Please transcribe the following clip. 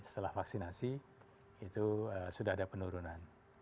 setelah vaksinasi itu sudah ada penurunan